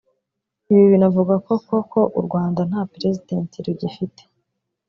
Ibi binavuga koko ko u Rwanda nta President rugifite